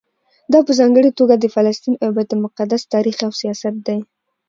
دا په ځانګړي توګه د فلسطین او بیت المقدس تاریخ او سیاست دی.